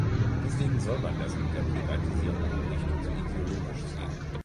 Deswegen soll man das mit der Privatisierung nicht zu ideologisch sehen.